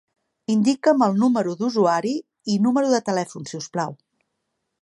Indica'm el número d'usuari i número de telèfon, si us plau.